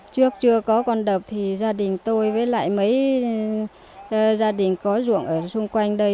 trước chưa có con đập thì gia đình tôi với lại mấy gia đình có ruộng ở xung quanh đây